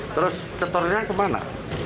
terus setorinya kemana